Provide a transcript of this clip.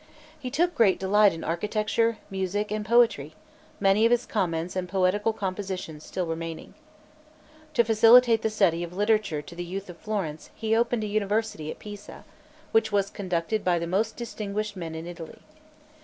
He took great delight in architecture, music, and poetry, many of his comments and poetical compositions still remaining. To facilitate the study of literature to the youth of Florence, he opened a university at Pisa, which was conducted by the most distinguished men in Italy.